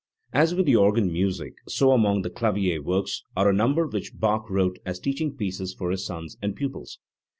As with the organ music, so among the clavier works are a number which Bach wrote as teaching pieces for his sons and pupils.